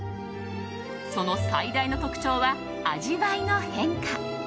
その最大の特徴は、味わいの変化。